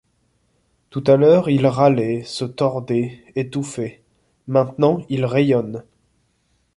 Tout à l’heure il râlait, se tordait, étouffait ; Maintenant il rayonne.